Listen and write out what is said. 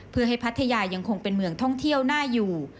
เพื่อให้พัทยายังคงเป็นเมืองท่องเที่ยวน่าอยู่